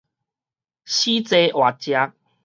死坐活食